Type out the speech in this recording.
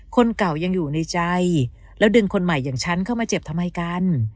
คนเก่ายังอยู่ในใจแล้วดึงคนใหม่อย่างฉันเข้ามาเจ็บทำไมกัน